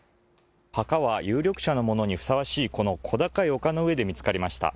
墓は有力者のものにふさわしい、この小高い丘の上で見つかりました。